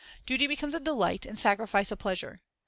Duty becomes a delight, and sacrifice a pleasure.